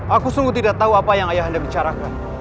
aku sungguh tidak tahu apa yang ayah anda bicarakan